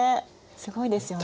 すごいですよね。